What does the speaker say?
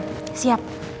udah siap sayang